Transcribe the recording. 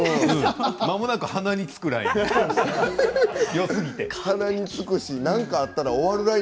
まもなく鼻につくくらい。